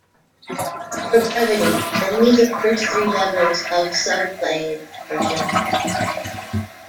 For brevity, only the first three levels of subclades are shown.